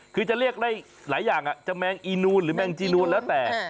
คือจะเรียกได้หลายอย่างจะแมงอีนูนหรือแมงจีนูนแล้วแต่